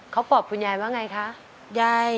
เขาปอบคุณยายว่าไงคะยาย